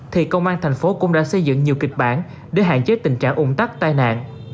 thì công an thành phố cũng đã xây dựng nhiều kịch bản để hạn chế tình trạng ủng tắc tai nạn